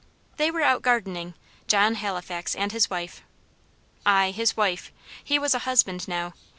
They were out gardening, John Halifax and his wife. Ay, his wife; he was a husband now.